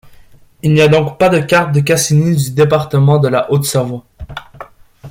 Il n’y a donc pas de cartes de Cassini du département de la Haute-Savoie.